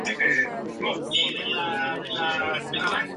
Erupciones de vapor de gran intensidad.